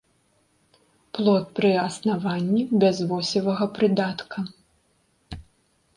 Плод пры аснаванні без восевага прыдатка.